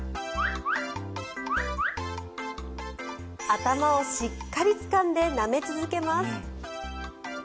頭をしっかりつかんでなめ続けます。